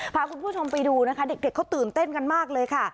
พาคุณผู้ชมไปดูนะคะเด็กเขาตื่นเต้นกันมากเลยค่ะ